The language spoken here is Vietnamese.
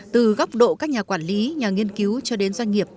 từ góc độ các nhà quản lý nhà nghiên cứu cho đến doanh nghiệp